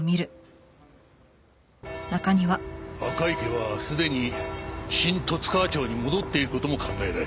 赤池はすでに新十津川町に戻っている事も考えられる。